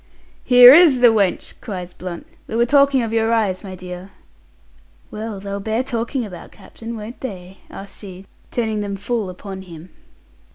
"Here is the wench!" cries Blunt. "We are talking of your eyes, my dear." "Well, they'll bear talking about, captain, won't they?" asked she, turning them full upon him.